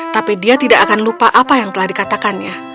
tapi dia tidak akan lupa apa yang telah dikatakannya